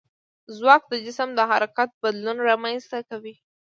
ځواک د جسم د حرکت بدلون رامنځته کوي.